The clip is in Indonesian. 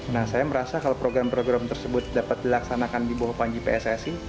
nah saya merasa kalau program program tersebut dapat dilaksanakan di bawah panji pssi